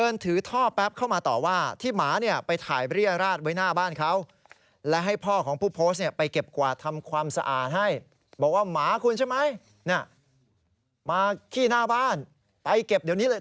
เมื่อกี้มาขี้หน้าบ้านไปเก็บเดี๋ยวนี้เลย